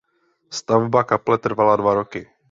Stavba kaple trvala dva roky.